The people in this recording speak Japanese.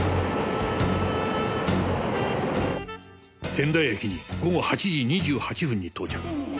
仙台駅に午後８時２８分に到着。